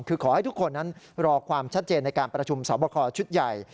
คือขอให้ทุกคนนั้นรอความชัดเจนในการประชุมสอบคอชุดใหญ่